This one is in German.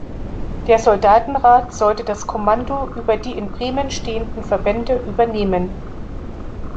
Der Soldatenrat sollte das Kommando über die in Bremen stehenden Verbände übernehmen.